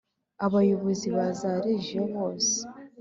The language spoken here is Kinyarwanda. Abayobozi ba za Region bose